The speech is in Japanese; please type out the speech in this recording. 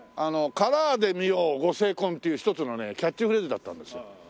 あの「カラーで見ようご成婚」っていう一つのねキャッチフレーズだったんです。